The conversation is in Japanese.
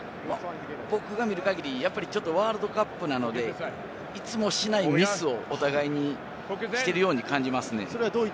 僕が見る限りワールドカップなので、いつもしないミスをお互いにしてるように感じますね。